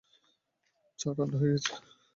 চা ঠান্ডা হয়ে গেছে।